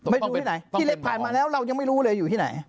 ไม่รู้ที่ไหนที่เล็กผ่านมาแล้วเรายังไม่รู้เลยอยู่ที่ไหน